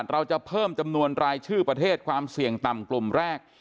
เราจะเพิ่มจำนวนรายชื่อประเทศความเสี่ยงต่ำกลุ่มแรก